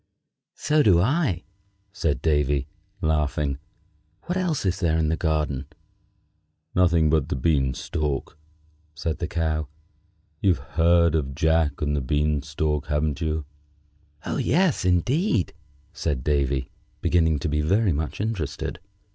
"So do I," said Davy, laughing. "What else is there in the garden?" "Nothing but the bean stalk," said the Cow. "You've heard of 'Jack and the Bean stalk,' haven't you?" "Oh! yes, indeed!" said Davy, beginning to be very much interested.